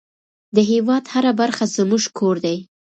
د هېواد هره برخه زموږ کور دی.